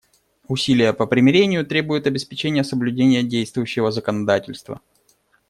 Усилия по примирению требуют обеспечения соблюдения действующего законодательства.